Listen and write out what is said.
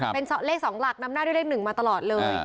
เป็นเลข๒หลักนำหน้าด้วยเลข๑มาตลอดเลย